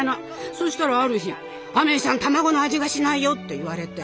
そしたらある日「アメイさん卵の味がしないよ」って言われて。